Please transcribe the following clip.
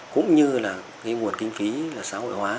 cũng như nguồn kinh phí xã hội hóa